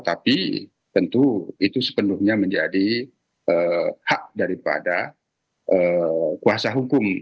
tapi tentu itu sepenuhnya menjadi hak daripada kuasa hukum